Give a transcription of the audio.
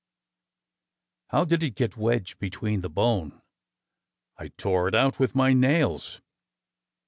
How it did get wedged between the bone. I tore it out with my nails.